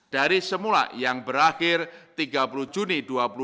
dari semula yang berakhir tiga puluh juni dua ribu dua puluh